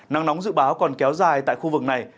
nắng nóng dự báo còn kéo dài tại khu vực này